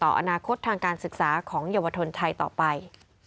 อนาคตทางการศึกษาของเยาวชนไทยต่อไป